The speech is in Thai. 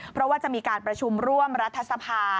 เพราะว่าจะมีการประชุมร่วมรัฐสภา